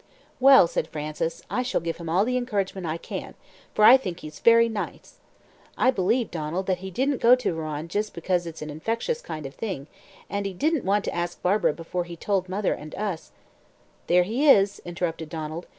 "Well," said Frances, "I shall give him all the encouragement I can, for I think he's very nice. I believe, Donald, that he didn't go to Rouen just because it's an infectious kind of thing, and he didn't want to ask Barbara before he had told mother and us " "There he is," interrupted Donald.